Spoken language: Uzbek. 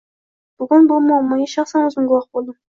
Bugun bu muammoga shaxsan oʻzim guvoh boʻldim.